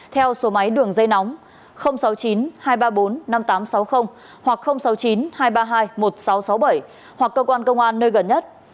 theo số máy đường dây nóng sáu mươi chín hai trăm ba mươi bốn năm nghìn tám trăm sáu mươi hoặc sáu mươi chín hai trăm ba mươi hai một nghìn sáu trăm sáu mươi bảy hoặc cơ quan công an nơi gần nhất